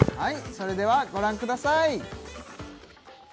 それではご覧ください